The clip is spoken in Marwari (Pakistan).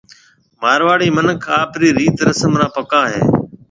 مارواڙي مِنک آپرَي ريِت رسمون را پڪا ھيَََ